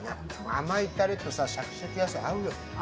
甘いたれとシャキシャキ野菜合うよ。